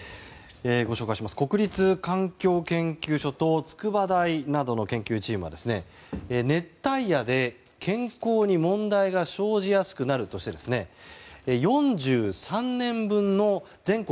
国立環境研究所と筑波大などの研究チームは熱帯夜で、健康に問題が生じやすくなるとして４３年分の全国